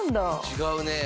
違うね。